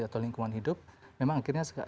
atau lingkungan hidup memang akhirnya